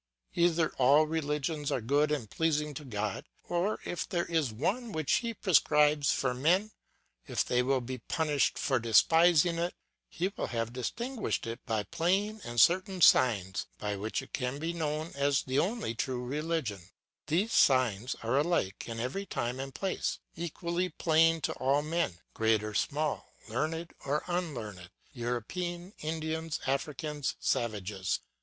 "Either all religions are good and pleasing to God, or if there is one which he prescribes for men, if they will be punished for despising it, he will have distinguished it by plain and certain signs by which it can be known as the only true religion; these signs are alike in every time and place, equally plain to all men, great or small, learned or unlearned, Europeans, Indians, Africans, savages.